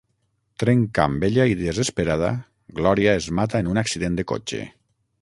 Trenca amb ella i desesperada, Glòria es mata en un accident de cotxe.